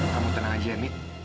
kamu tenang aja mit